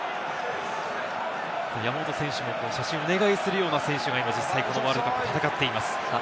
山本選手も写真をお願いするような選手が、今実際にワールドカップで戦っています。